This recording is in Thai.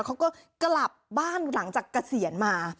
ก็กลับบ้านหลังจากกระเศียรมา